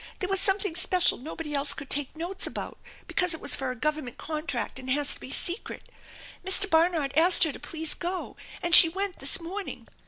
There was something special nobody else could take notes about, because it was for a Government contract, and has to be secret. Mr, Barnard asked her to please go and she went this morning.